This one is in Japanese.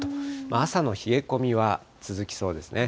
朝の冷え込みは続きそうですね。